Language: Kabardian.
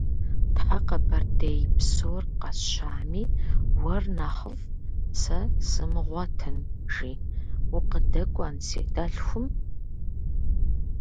Тхьэ, Къэбэрдей псор къэсщами, уэр нэхъыфӏ сэ сымыгъуэтын!- жи. - Укъыдэкӏуэн си дэлъхум?